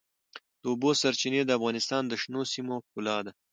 د اوبو سرچینې د افغانستان د شنو سیمو ښکلا ده.